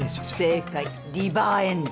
正解リバーエンド。